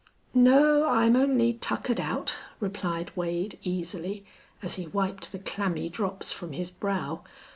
"No. I'm only tuckered out," replied Wade, easily, as he wiped the clammy drops from his brow.